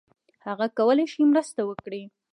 هغه کولای شي مرسته وکړي.